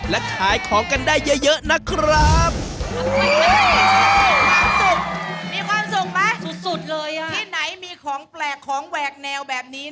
และขายของกันได้เยอะนะครับ